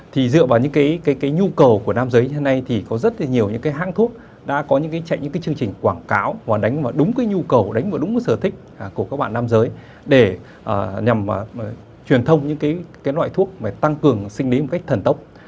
thì dựa vào những cái nhu cầu của nam giới như thế này thì có rất nhiều những cái hãng thuốc đã có những cái chạy những cái chương trình quảng cáo và đánh vào đúng cái nhu cầu đánh vào đúng cái sở thích của các bạn nam giới để nhằm truyền thông những cái loại thuốc và tăng cường sinh lý một cách thần tốc